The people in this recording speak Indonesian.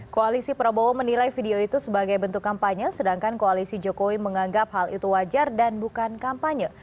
koalisi prabowo menilai video itu sebagai bentuk kampanye sedangkan koalisi jokowi menganggap hal itu wajar dan bukan kampanye